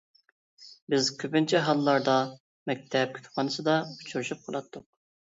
بىز كۆپىنچە ھاللاردا مەكتەپ كۇتۇپخانىسىدا ئۇچرىشىپ قالاتتۇق.